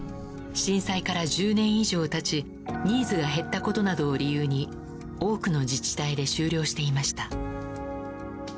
震災から１０年以上経ちニーズが減ったことなどを理由に多くの自治体で終了していました。